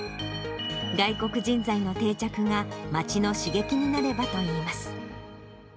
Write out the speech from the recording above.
外国人材の定着が、町の刺激になればといいます。